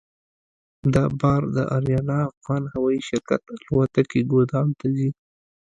دا بار د اریانا افغان هوایي شرکت الوتکې ګودام ته ځي.